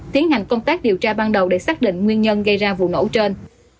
tiến hành công tác điều tra ban đầu để xác định nguyên nhân gây ra vụ nổ trên